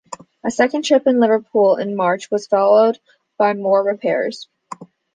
A second trip to Liverpool in March was followed by more repairs.